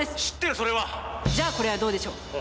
知ってるそれはじゃあこれはどうでしょう